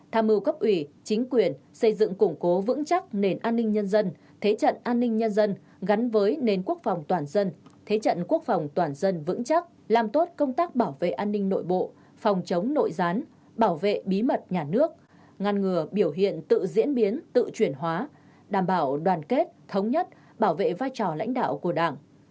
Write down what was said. tham mưu cấp ủy chính quyền xây dựng củng cố vững chắc nền an ninh nhân dân thế trận an ninh nhân dân gắn với nền quốc phòng toàn dân thế trận quốc phòng toàn dân vững chắc làm tốt công tác bảo vệ an ninh nội bộ phòng chống nội gián bảo vệ bí mật nhà nước ngăn ngừa biểu hiện tự diễn biến tự chuyển hóa đảm bảo đoàn kết thống nhất bảo vệ vai trò lãnh đạo của đảng